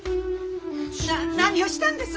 な何をしたんです！？